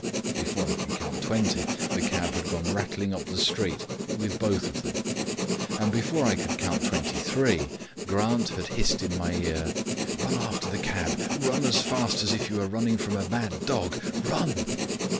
Before I could count twenty the cab had gone rattling up the street with both of them. And before I could count twenty three Grant had hissed in my ear: "Run after the cab; run as if you were running from a mad dog run."